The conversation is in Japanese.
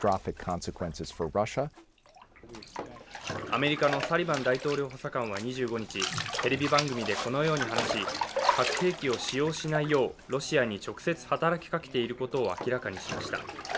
アメリカのサリバン大統領補佐官は２５日、テレビ番組でこのように話し、核兵器を使用しないようロシアに直接働きかけていることを明らかにしました。